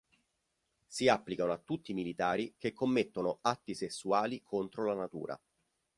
Si applicano a tutti i militari che commettono atti sessuali contro la natura".